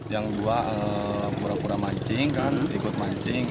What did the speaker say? yang dua pura pura mancing kan ikut mancing